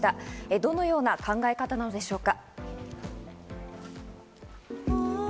どのような考え方なのでしょうか。